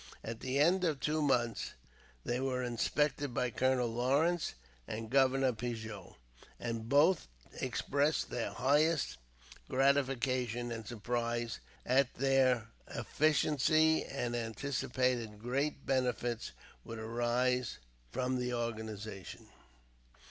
At the end of two months, they were inspected by Colonel Lawrence and Governor Pigot, and both expressed their highest gratification and surprise at their efficiency, and anticipated great benefits would arise from the organization.